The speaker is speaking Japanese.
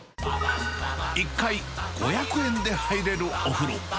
１回５００円で入れるお風呂。